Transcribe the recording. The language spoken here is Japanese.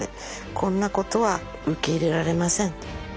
こんなことは受け入れられませんと。